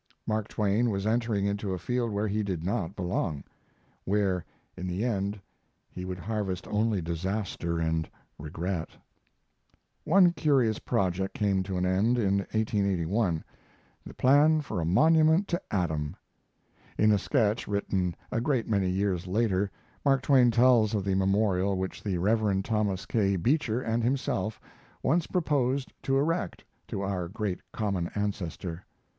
Mark Twain was entering into a field where he did not belong; where in the end he would harvest only disaster and regret. One curious project came to an end in 1881 the plan for a monument to Adam. In a sketch written a great many years later Mark Twain tells of the memorial which the Rev. Thomas K. Beecher and himself once proposed to erect to our great common ancestor.